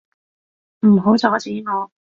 唔好阻止我！